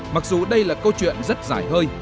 mặc dù đây là câu chuyện rất giải hơi